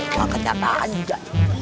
eh wah ketiappan juga